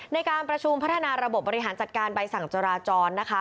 ในการประชุมพัฒนาระบบบบริหารจัดการใบสั่งจราจรนะคะ